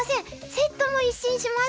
セットも一新しました！